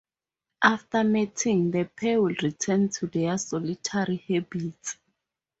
After mating, the pair will return to their solitary habits.